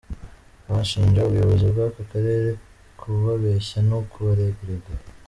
Bashinja ubuyobozi bw’aka karere kubabeshya no kubarerega.